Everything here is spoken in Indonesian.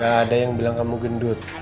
gak ada yang bilang kamu gendut